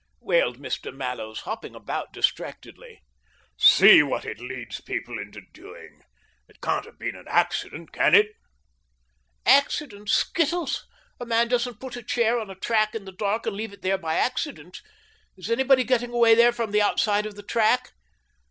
wailed Mr. Mallows, hopping about distractedly ;" see what it leads people into doing ! It can't have been an accident, can it ?" "Accident? Skittles! A man doesn't put a chair on a track in the dark and leave it there by accident. Is anybody getting away there from the outside of the track?"